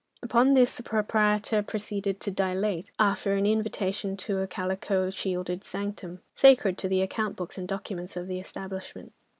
Upon this the proprietor proceeded to dilate, after an invitation to a calico shielded sanctum, sacred to the account books and documents of the establishment.